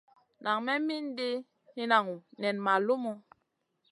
Nan me mindi hinanŋu nen ma lumu.